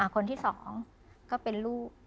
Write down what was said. คนที่๒ก็เป็นลูก